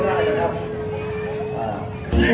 มีสิ่งที่จะชอบให้สักครู่